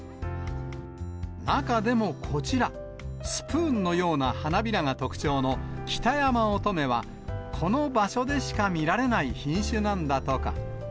中でもこちら、スプーンのような花びらが特徴の北山乙女は、この場所でしか見られない品種なんだとか。